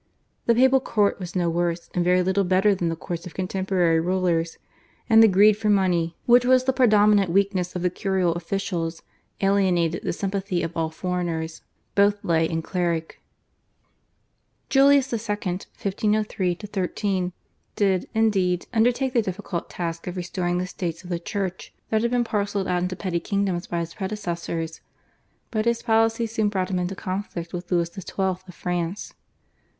The papal court was no worse and very little better than the courts of contemporary rulers, and the greed for money, which was the predominant weakness of the curial officials, alienated the sympathy of all foreigners, both lay and cleric. Julius II. (1503 13) did, indeed, undertake the difficult task of restoring the States of the Church that had been parcelled out into petty kingdoms by his predecessors, but his policy soon brought him into conflict with Louis XII. of France.